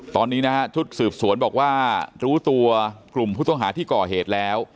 ตอนนี้นะฮะชุดสืบสวนบอกว่ารู้ตัวกลุ่มผู้ต้องหาที่ก่อเหตุแล้ว